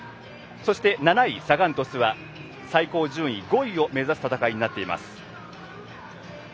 そして、７位サガン鳥栖は最高順位５位を目指す戦いになっています。